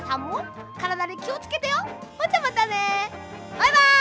バイバイ！